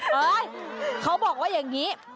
เฮ้ยเขาบอกว่าอย่างนี้